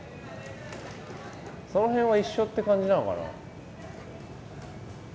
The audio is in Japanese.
その辺は一緒って感じなのかな？